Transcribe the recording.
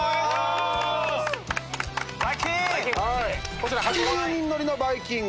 こちら８０人乗りのバイキング。